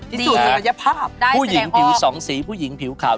ที่สุดสัญญภาพได้แสดงออกผู้หญิงผิวสองสีผู้หญิงผิวขาว